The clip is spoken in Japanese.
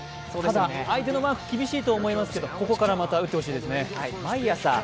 ただ、相手のマーク厳しいと思いますけど、ここからまた打ってほしいと思います。